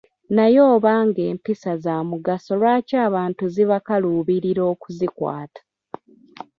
Naye obanga empisa za mugaso lwaki abantu zibakaluubirira okuzikwata.